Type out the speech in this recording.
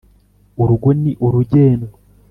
urugo ni urugendwa